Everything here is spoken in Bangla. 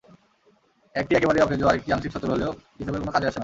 একটি একেবারেই অকেজো, আরেকটি আংশিক সচল হলেও কৃষকের কোনো কাজে আসে না।